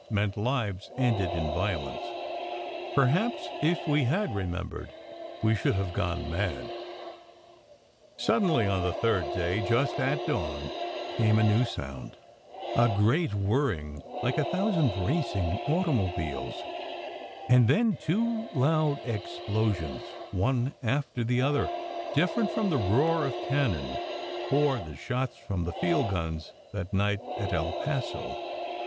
meant lives ended in violence. Perhaps if we had remem bered we should have gone mad. Suddenly, on the third day, just at dawn, came a new sound, a great whirring like a thousand racing automobiles, and then two loud explosions, one after the other, different from the roar of cannon or the shots from the field guns that night at El Paso.